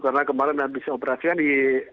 karena kemarin habis operasinya disobek di pipinya juga